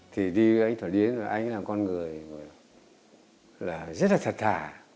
thì đi với anh thuận yến rồi anh làm con người là rất là thật thà